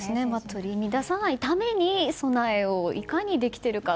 取り乱さないために備えをいかにできてるか。